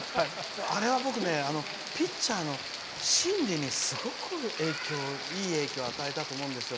あれはピッチャーの心理にすごくいい影響を与えたと思うんですよ。